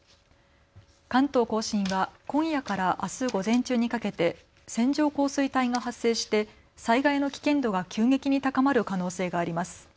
関東甲信は今夜からあす午前中にかけて線状降水帯が発生して災害の危険度が急激に高まる可能性があります。